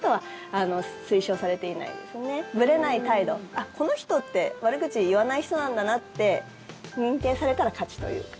あっ、この人って悪口言わない人なんだなって認定されたら勝ちというか。